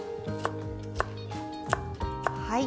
はい。